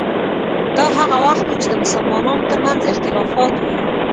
دا هغه وخت و چې د مسلمانانو ترمنځ اختلافات وو.